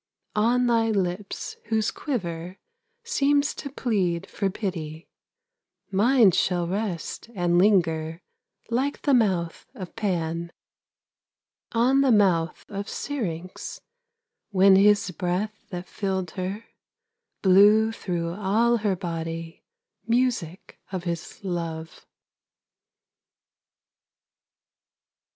On thy lips whose quiver Seems to plead for pity, Mine shall rest and linger Like the mouth of Pan On the mouth of Syrinx, When his breath that filled her Blew through all her body Music of his love.